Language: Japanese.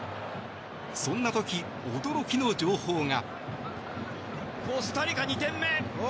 そんな時、驚きの情報が。